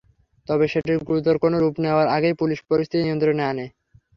তবে সেটি গুরুতর কোনো রূপ নেওয়ার আগেই পুলিশ পরিস্থিতি নিয়ন্ত্রণে আনে।